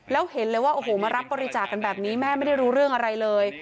แล้วเห็นเลยว่าโอ้โหมารับบริจาคกันแบบนี้แม่ไม่ได้รู้เรื่องอะไรเลย